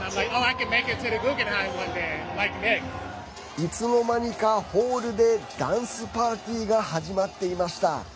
いつの間にかホールでダンスパーティーが始まっていました。